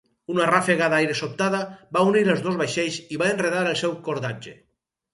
Una ràfega d'aire sobtada va unir els dos vaixells i va enredar el seu cordatge.